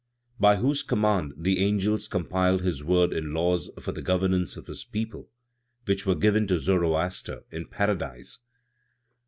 "By whose command the angels compiled His Word in laws for the governance of His people, which were given to Zoroaster in Paradise?